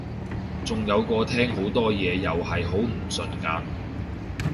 仲有個廳好多嘢又係好唔順眼